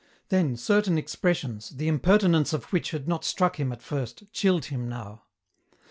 Then certain expressions, the impertinence of which had not struck him at first, chilled him now.